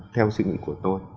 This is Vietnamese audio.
theo suy nghĩ của tôi